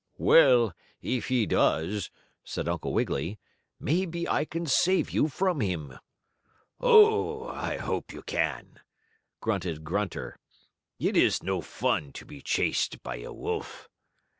"Well, if he does," said Uncle Wiggily, "maybe I can save you from him." "Oh, I hope you can!" grunted Grunter. "It is no fun to be chased by a wolf."